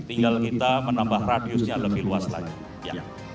tinggal kita menambah radiusnya lebih luas lagi